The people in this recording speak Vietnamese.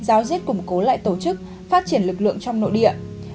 họ cũng cố lại tổ chức phát triển lực lượng trong nội địa